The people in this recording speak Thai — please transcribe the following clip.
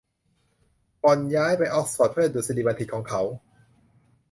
พอลย้ายไปออกซ์ฟอร์ดเพื่อดุษฎีบัณฑิตของเขา